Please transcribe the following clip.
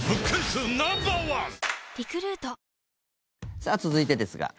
さあ、続いてですが。